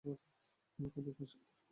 আমাকে ওদের পাপের ভার বইতে হবে!